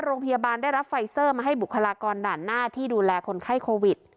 โรงพยาบาลได้รับไฟเซอร์มาให้บุคลากรด่านหน้าที่ดูแลคนไข้โควิด